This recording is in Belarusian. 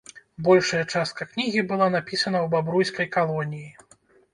Большая частка кнігі была напісана ў бабруйскай калоніі.